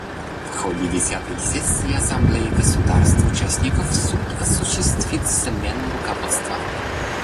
В ходе десятой сессии Ассамблеи государств-участников Суд осуществит смену руководства.